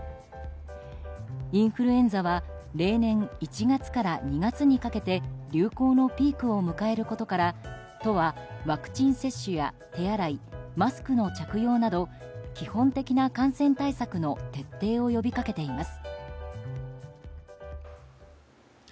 インフルエンザは例年１月から２月にかけて流行のピークを迎えることから都はワクチン接種や手洗い、マスクの着用など基本的な感染対策の徹底を呼び掛けています。